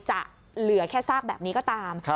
จะเหลือแค่ซากแบบนี้ก็ตาม